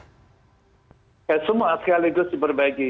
semua asal itu diperbaiki